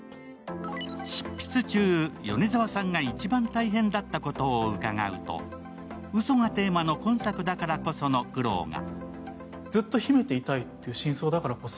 執筆中、米澤さんが一番大変だったことを伺うと、嘘がテーマの今作だからこその苦労が。